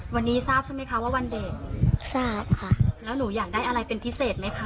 วันนี้ทราบใช่ไหมคะว่าวันเด็กทราบค่ะแล้วหนูอยากได้อะไรเป็นพิเศษไหมคะ